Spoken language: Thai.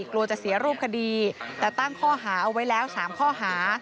กลัวจะเสียรูปคดีแต่ตั้งข้อหาเอาไว้แล้ว๓ข้อหา